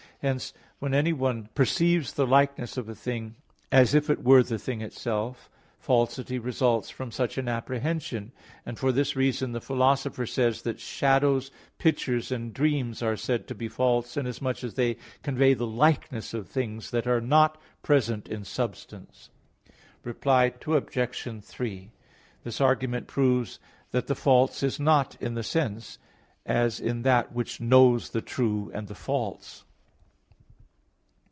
Hence, when anyone perceives the likeness of a thing as if it were the thing itself, falsity results from such an apprehension; and for this reason the Philosopher says (Metaph. v, 34) that shadows, pictures, and dreams are said to be false inasmuch as they convey the likeness of things that are not present in substance. Reply Obj. 3: This argument proves that the false is not in the sense, as in that which knows the true and the false.